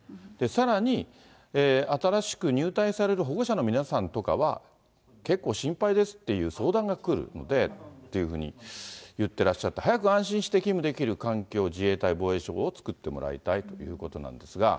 さらに、新しく入隊される保護者の皆さんとかは、結構、心配ですっていう相談が来るのでっていうふうに言ってらっしゃって、早く安心して勤務できる環境を自衛隊・防衛省を作ってもらいたいということなんですが。